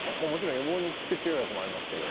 予防に効く治療薬もありますけど。